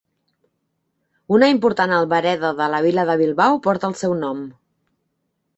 Una important albereda de la Vila de Bilbao porta el seu nom.